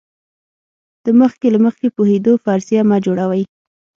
د مخکې له مخکې پوهېدو فرضیه مه جوړوئ.